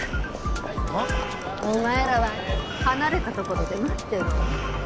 お前らは離れた所で待ってろ。